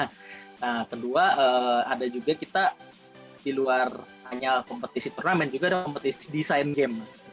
nah kedua ada juga kita di luar hanya kompetisi turnamen juga ada kompetisi desain game